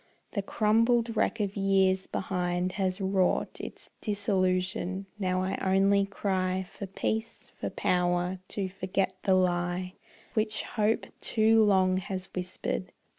The crumbled wreck of years behind has wrought Its disillusion; now I only cry For peace, for power to forget the lie Which hope too long has whispered.